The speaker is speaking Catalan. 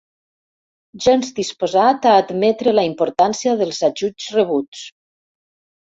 Gens disposat a admetre la importància dels ajuts rebuts.